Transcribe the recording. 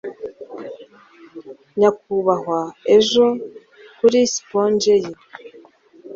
nyakubahwa ejo kuri sponge ye